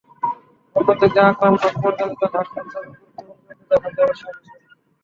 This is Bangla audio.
অন্যদিকে আকরাম খান পরিচালিত ঘাসফুল ছবির গুরুত্বপূর্ণ চরিত্রে দেখা যাবে শায়লা সাবিকে।